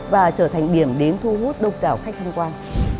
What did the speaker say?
và trở thành điểm đến thu hút đông đảo khách tham quan